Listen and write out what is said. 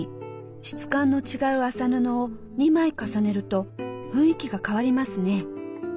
質感の違う麻布を２枚重ねると雰囲気が変わりますね。